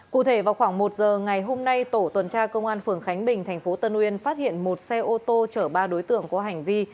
cụ thể vào khoảng một giờ ngày hôm nay tổ tuần tra công an phường khánh bình tp tân uyên phát hiện một xe ô tô chở ba đối tượng có hành vi